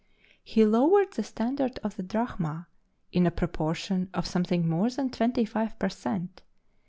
He lowered the standard of the drachma in a proportion of something more than 25 per cent.